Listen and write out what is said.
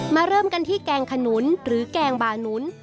เริ่มกันที่แกงขนุนหรือแกงบานุน